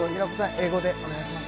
英語でお願いします